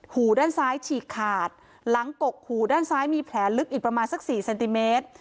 หูด้านซ้ายฉีกขาดหลังกกหูด้านซ้ายมีแผลลึกอีกประมาณสัก๔เซนติเมตร